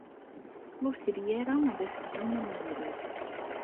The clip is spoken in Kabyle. Ur tri ara ad as-d-ddun am ugrud.